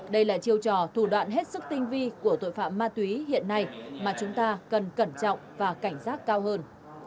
đây là chiêu trò thủ đoạn hết sức tinh vi của tội phạm ma túy hiện nay mà chúng ta cần cẩn trọng và cảnh giác cao hơn